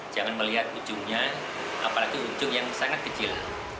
jangan melihat ujungnya apalagi ujung yang sangat kecil